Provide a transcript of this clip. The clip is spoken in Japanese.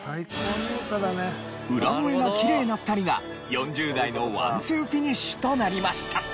裏声がきれいな２人が４０代のワンツーフィニッシュとなりました。